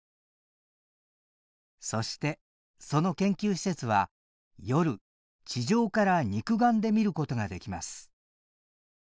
そしてその研究施設は夜地上から肉眼で見ることができます。